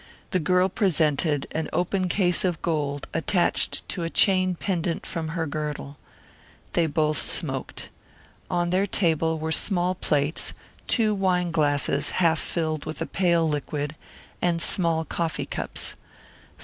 The girl presented an open case of gold attached to a chain pendent from her girdle. They both smoked. On their table were small plates, two wine glasses half filled with a pale liquid, and small coffee cups.